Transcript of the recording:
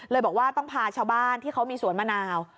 บอกว่าต้องพาชาวบ้านที่เขามีสวนมะนาว